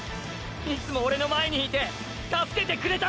いつもオレの前にいて助けてくれたんだ！！